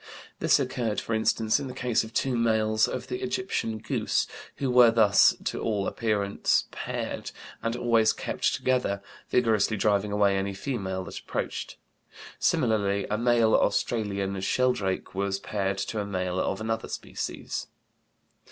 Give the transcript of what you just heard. This occurred, for instance, in the case of two males of the Egyptian goose who were thus to all appearance paired, and always kept together, vigorously driving away any female that approached. Similarly a male Australian sheldrake was paired to a male of another species.